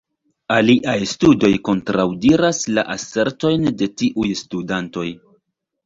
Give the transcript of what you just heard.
Aliaj studoj kontraŭdiras la asertojn de tiuj studantoj.